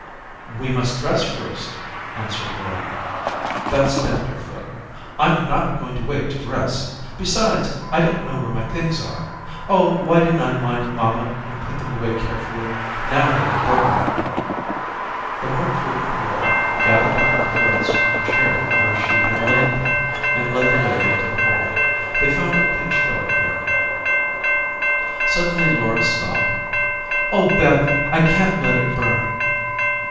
"We must dress first," answered Laura. Beth stamped her foot. "I'm not going to wait to dress. Besides, I don't know where my things are. Oh, why didn't I mind mamma and put them away carefully. Now they'll burn." The more prudent Laura gathered up her clothes from a chair where she had laid them, and led the way into the hall. They found it pitch dark there. Suddenly Laura stopped. "Oh, Beth, I can't let it burn."